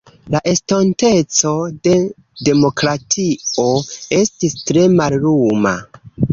La estonteco de demokratio estis tre malluma.